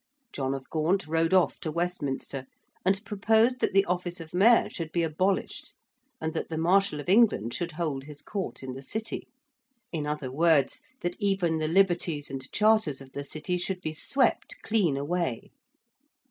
John of Gaunt rode off to Westminster and proposed that the office of Mayor should be abolished and that the Marshal of England should hold his court in the City in other words, that even the liberties and Charters of the City should be swept clean away.